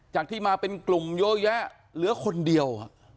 ที่มาเป็นกลุ่มเยอะแยะเหลือคนเดียว